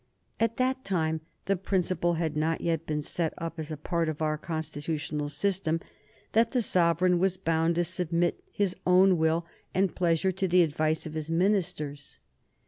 At that time the principle had not yet been set up as a part of our constitutional system that the sovereign was bound to submit his own will and pleasure to the advice of his ministers.